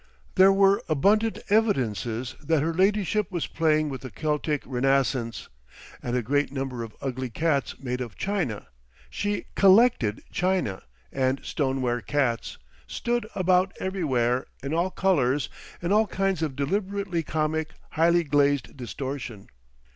There were abundant evidences that her ladyship was playing with the Keltic renascence, and a great number of ugly cats made of china—she "collected" china and stoneware cats—stood about everywhere—in all colours, in all kinds of deliberately comic, highly glazed distortion.